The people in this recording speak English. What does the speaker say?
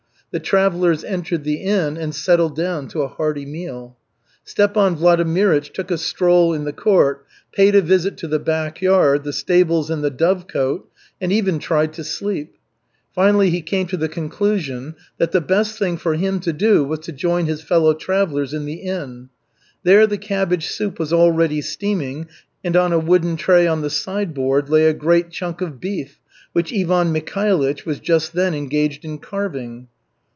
The travellers entered the inn and settled down to a hearty meal. Stepan Vladimirych took a stroll in the court, paid a visit to the backyard, the stables and the dovecote, and even tried to sleep. Finally he came to the conclusion that the best thing for him to do was to join his fellow travellers in the inn. There the cabbage soup was already steaming and on a wooden tray on the sideboard lay a great chunk of beef, which Ivan Mikhailych was just then engaged in carving.